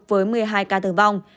với một mươi hai ca tử vong